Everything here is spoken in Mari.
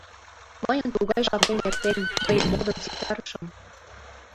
Мыйын тугай жапем эртен, мый модын ситарышым...